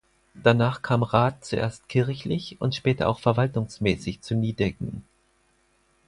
Danach kam Rath zuerst kirchlich und später auch verwaltungsmäßig zu Nideggen.